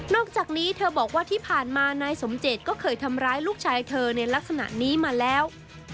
อกจากนี้เธอบอกว่าที่ผ่านมานายสมเจตก็เคยทำร้ายลูกชายเธอในลักษณะนี้มาแล้ว